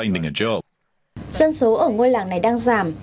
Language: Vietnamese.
dân số ở ngôi làng này đang giảm